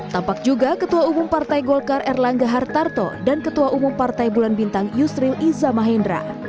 tampak juga ketua umum partai golkar erlangga hartarto dan ketua umum partai bulan bintang yusril iza mahendra